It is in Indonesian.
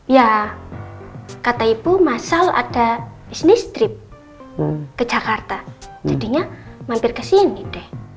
ya kata ibu masal ada bisnis trip ke jakarta jadinya mampir ke sini deh